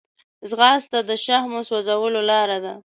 ځغاسته د شحمو سوځولو لاره ده